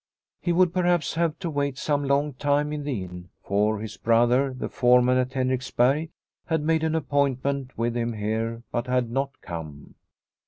He would perhaps have to wait some long time in the inn, for his brother, the foreman at Henriks berg, had made an appointment with him here but had not come.